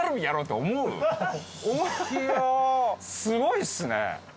すごいっすね。